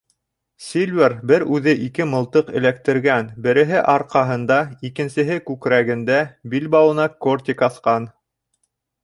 Сильвер бер үҙе ике мылтыҡ эләктергән, береһе арҡаһында, икенсеһе күкрәгендә, билбауына кортик аҫҡан.